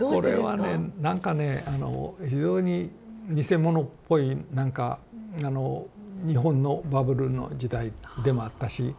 これはねなんかねあの非常に偽物っぽいなんかあの日本のバブルの時代でもあったし。